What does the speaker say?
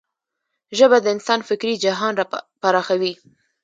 ژبه د انسان فکري جهان پراخوي.